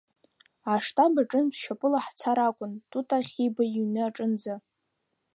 Аштаб аҿынтә шьапыла ҳцар акәын Тута Хьиба иҩны аҿынӡа.